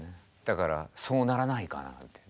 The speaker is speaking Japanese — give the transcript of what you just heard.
だからそうならないかなって。